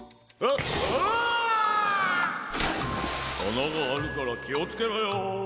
あながあるからきをつけろよ。